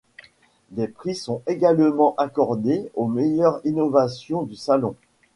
Des prix sont également accordés aux meilleurs innovations du salon.